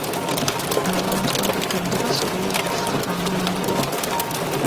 Abantu abakadde basobola okufa amangu.